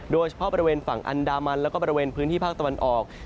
โดยเฉพาะบริเวณฝั่งอันดามันแล้วก็บริเวณพื้นที่ภาคตะวันออก